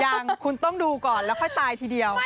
ยังคุณต้องดูก่อนแล้วค่อยตายทีเดียว